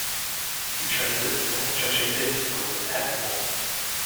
He trained at the North Cheshire Theatre School in Heaton Moor.